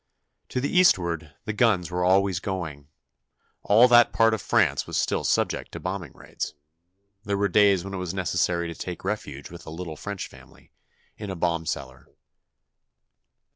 To the eastward, the guns were always going. All that part of France was still subject to bombing raids. There were days when it was necessary to take refuge with a little French family, in a bomb cellar.